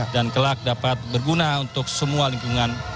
dan kelak dapat berguna untuk semua lingkungan